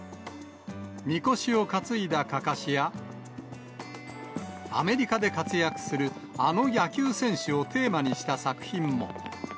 みこしを担いだかかしや、アメリカで活躍するあの野球選手をテーマにした作品も。